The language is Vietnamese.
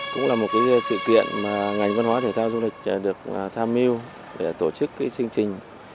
cũng là một sự kiện mà ngành văn hóa thể thao du lịch được tham mưu để tổ chức chương trình